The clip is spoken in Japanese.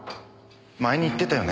前に言ってたよね。